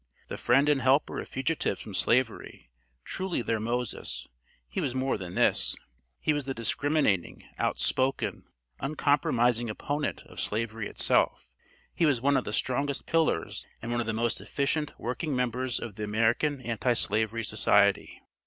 The friend and helper of fugitives from Slavery, truly their Moses, he was more than this, he was the discriminating, outspoken, uncompromising opponent of Slavery itself. He was one of the strongest pillars and one of the most efficient working members of the American Anti slavery Society.